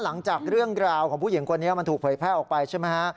หลังจากเรื่องราวของผู้หญิงคนนี้มันถูกเผยแพร่ออกไปใช่ไหมฮะ